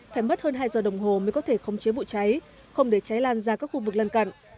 phải mất hơn hai giờ đồng hồ mới có thể khống chế vụ cháy không để cháy lan ra các khu vực lân cận